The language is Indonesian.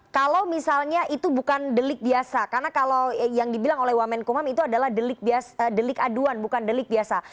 kalau misalnya itu bukan delik biasa karena kalau yang dibilang oleh wamen kumam itu adalah delik aduan bukan delik biasa